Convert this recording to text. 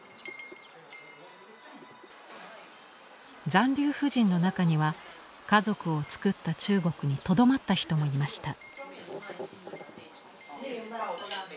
残留婦人の中には家族をつくった中国にとどまった人もいました。